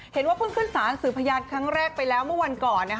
เห็นว่าเพิ่งขึ้นสารสื่อพยานครั้งแรกไปแล้วเมื่อวันก่อน